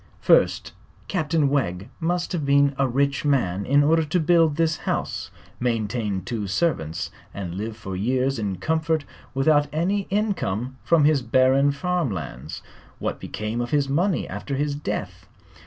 First, Captain Wegg must have been a rich man in order to build this house, maintain two servants and live for years in comfort without any income from his barren farm lands. What became of his money after his death?